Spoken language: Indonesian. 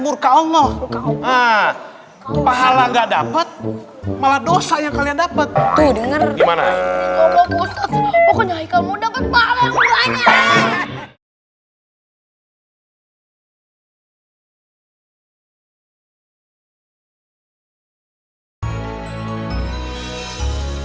murka allah pahala nggak dapet malah dosa yang kalian dapet tuh denger gimana pokoknya kamu dapat